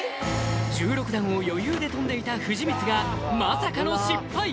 １６段を余裕で跳んでいた藤光がまさかの失敗！